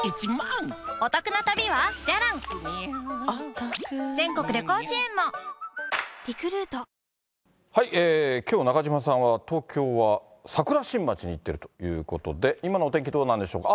タイガースも強いからな、きょう、中島さんは、東京は桜新町に行ってるということで、今のお天気どうなんでしょうか。